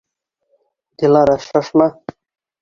Дилара, шашма!